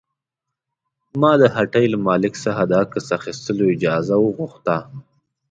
ما د هټۍ له مالک څخه د عکس اخیستلو اجازه وغوښته.